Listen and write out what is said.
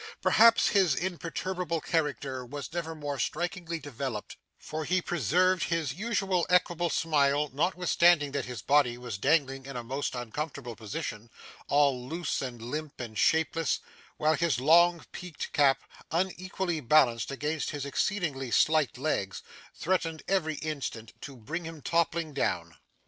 Perhaps his imperturbable character was never more strikingly developed, for he preserved his usual equable smile notwithstanding that his body was dangling in a most uncomfortable position, all loose and limp and shapeless, while his long peaked cap, unequally balanced against his exceedingly slight legs, threatened every instant to bring him toppling down.